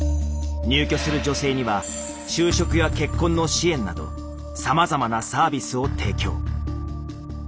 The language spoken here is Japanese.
入居する女性には就職や結婚の支援などさまざまなサービスを提供。